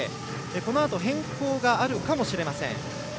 このあと変更があるかもしれません。